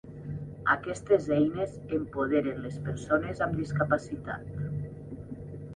Aquestes eines empoderen les persones amb discapacitat.